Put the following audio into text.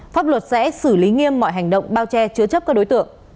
pháp luật sẽ xử lý nghiêm mọi hành động bao che chứa chấp các đối tượng